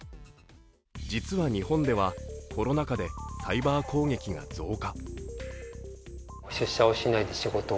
実は、日本ではコロナ禍でサイバー攻撃が増加。